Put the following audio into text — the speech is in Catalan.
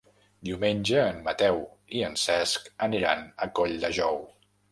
Diumenge en Mateu i en Cesc aniran a Colldejou.